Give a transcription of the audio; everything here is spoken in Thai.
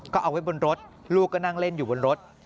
ก็เอาไว้บนรถลูกก็นั่งเล่นอยู่บนรถ